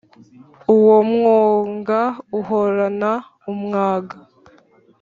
uwo mwonga uhorana umwaga